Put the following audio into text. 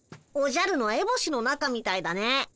おじゃるのエボシの中みたいだね。